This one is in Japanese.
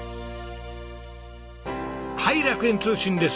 はい楽園通信です。